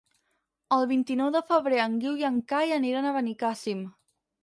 El vint-i-nou de febrer en Guiu i en Cai aniran a Benicàssim.